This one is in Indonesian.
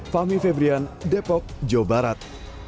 fahmi febrian depok jawa barat